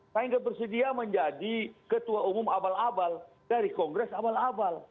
saya nggak bersedia menjadi ketua umum abal abal dari kongres abal abal